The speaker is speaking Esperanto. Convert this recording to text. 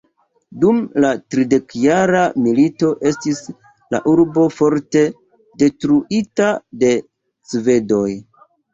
Dum la tridekjara milito estis la urbo forte detruita de svedoj.